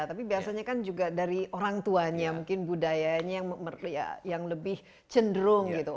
tapi biasanya kan juga dari orang tuanya mungkin budayanya yang lebih cenderung gitu